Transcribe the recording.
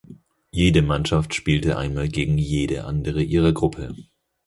Jede Mannschaft spielte einmal gegen jede andere ihrer Gruppe.